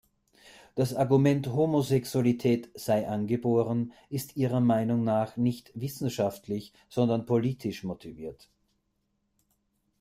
Das Argument, Homosexualität sei angeboren, ist ihrer Meinung nach nicht wissenschaftlich, sondern politisch motiviert.